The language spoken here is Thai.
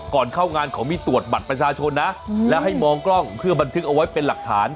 ก่อนเข้างานเขามีตรวจบัตรประชาชนนะแล้วให้มองกล้องเพื่อบันทึกเอาไว้เป็นหลักฐาน